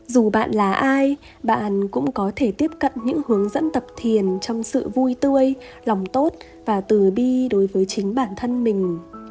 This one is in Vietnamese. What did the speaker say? dù bạn là ai bạn cũng có thể tiếp cận những hướng dẫn tập thiền trong sự vui tươi lòng tốt và từ đi đối với chính bản thân mình